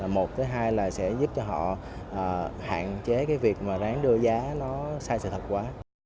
một thứ hai là sẽ giúp cho họ hạn chế cái việc mà ráng đưa giá nó sai sự thật quá